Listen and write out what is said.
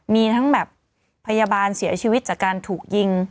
มีทั้งแบบพยาบาลเสียชีวิตจากการถูกยิง